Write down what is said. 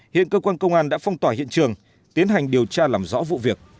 hiện cơ quan công an đã phong tỏa hiện trường tiến hành điều tra làm rõ vụ việc